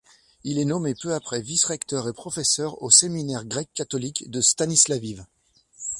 Il est nommé peu après vice-recteur et professeur au séminaire grec-catholique de Stanislaviv.